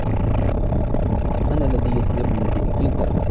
أنا لدي صديق في إنجلترا.